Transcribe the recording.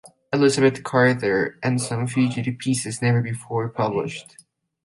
Elizabeth Carter, and Some Fugitive Pieces, Never Before Published.